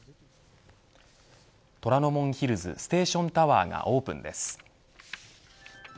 虎ノ門ヒルズステーションタワーがオープンです。